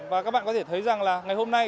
và các bạn có thể thấy rằng là ngày hôm nay